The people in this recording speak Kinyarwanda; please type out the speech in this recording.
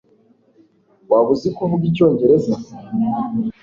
waba uzi kuvuga icyongereza